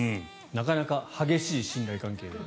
なかなか激しい信頼関係が。